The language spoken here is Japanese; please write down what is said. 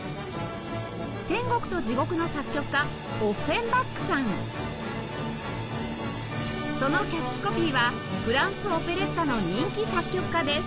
『天国と地獄』の作曲家そのキャッチコピーは「フランスオペレッタの人気作曲家」です